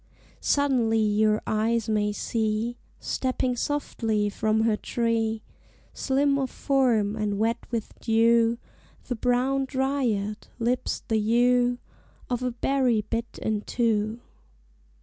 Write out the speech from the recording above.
Suddenly your eyes may see, Stepping softly from her tree, Slim of form and wet with dew, The brown dryad; lips the hue Of a berry bit into.